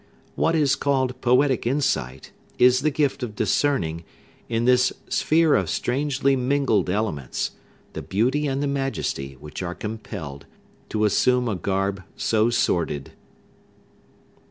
What is called poetic insight is the gift of discerning, in this sphere of strangely mingled elements, the beauty and the majesty which are compelled to assume a garb so sordid.